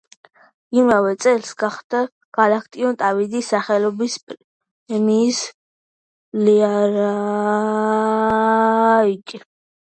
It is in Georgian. იმავე წელს გახდა გალაკტიონ ტაბიძის სახელობის პრემიის ლაურეატი.